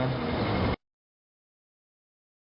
สารถอยด